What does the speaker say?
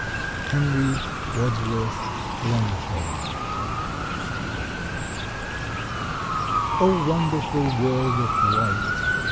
—Henry Wadsworth Longfellow. O wonderful world of white!